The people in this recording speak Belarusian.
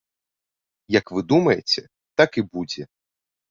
Як вы думаеце, так і будзе.